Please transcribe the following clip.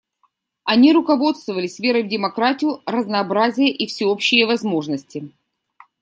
Они руководствовались верой в демократию, разнообразие и всеобщие возможности.